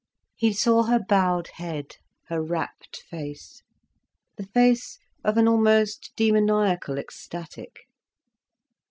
He saw her bowed head, her rapt face, the face of an almost demoniacal ecstatic.